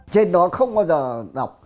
trên đó không bao giờ đọc